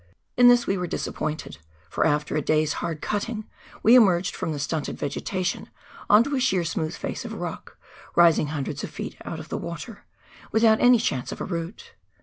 In this we were disappointed, for after a day's hard cutting we emerged from the stunted vegetation on to a sheer smooth face of rock rising hundreds of feet out of the water, without any chance of a route.